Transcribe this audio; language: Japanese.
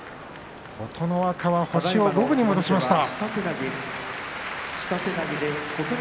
琴ノ若は星を五分に戻しました。